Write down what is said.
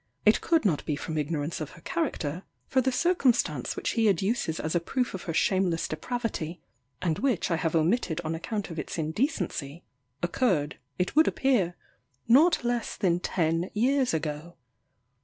It could not be from ignorance of her character, for the circumstance which he adduces as a proof of her shameless depravity, and which I have omitted on account of its indecency, occurred, it would appear, not less than ten years ago.